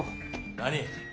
何？